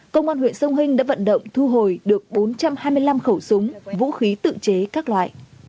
công an huyện sông hinh đã vận động thu hồi được bốn trăm hai mươi năm khẩu súng vũ khí tự chế các loại